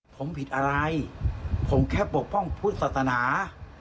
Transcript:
ผมผิดอะไรผมแค่ปกป้องพุทธศาสนา